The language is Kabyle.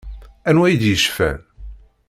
Anwa i d-yecfan?